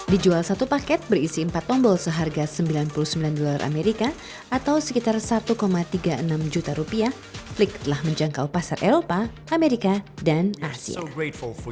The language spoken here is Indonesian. dijual satu paket berisi empat tombol seharga sembilan puluh sembilan dolar amerika atau sekitar satu tiga puluh enam juta rupiah flik telah menjangkau pasar eropa amerika dan asia